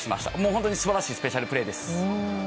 本当に素晴らしいスペシャルプレーです。